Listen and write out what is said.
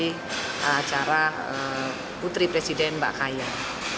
di acara putri presiden mbak kaya